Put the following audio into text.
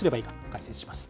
解説します。